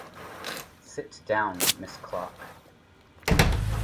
Sit down, Miss Clark.